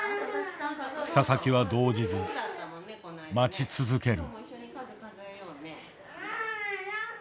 佐々木は動じず待ち続ける。